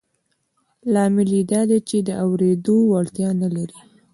لامل یې دا دی چې د اورېدو وړتیا نه لري